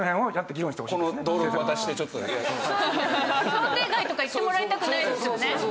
想定外とか言ってもらいたくないですよね。